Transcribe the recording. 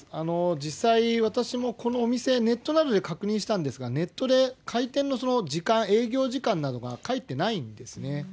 実際、私もこのお店、ネットなどで確認したんですが、ネットで開店の時間、営業時間などが書いてないんですね。